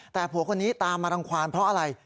แต่ผัวคนนี้ตามมารังความเพราะอะไร